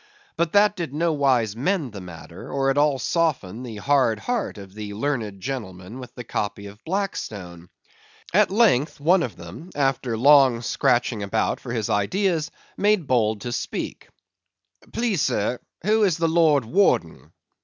But that did in nowise mend the matter, or at all soften the hard heart of the learned gentleman with the copy of Blackstone. At length one of them, after long scratching about for his ideas, made bold to speak, "Please, sir, who is the Lord Warden?"